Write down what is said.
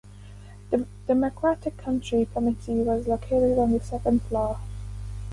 The Democratic County Committee was located on the second floor.